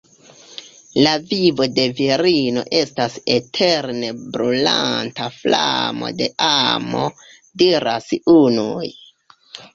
La vivo de virino estas eterne brulanta flamo de amo, diras unuj.